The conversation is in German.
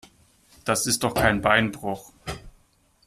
Das ist doch kein Beinbruch.